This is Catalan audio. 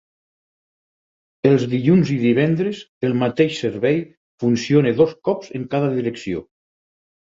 Els dilluns i divendres el mateix servei funciona dos cops en cada direcció.